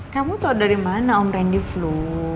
kamu tau dari mana om randy flu